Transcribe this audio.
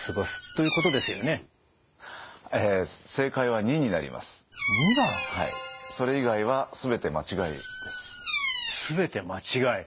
はいそれ以外は全て間違いです。